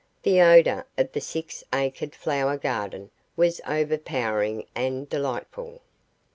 The odour from the six acred flower garden was overpowering and delightful.